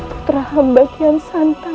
putra hambat yang santan